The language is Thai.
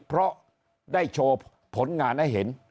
เพราะได้โชว์ผลงานให้เห็น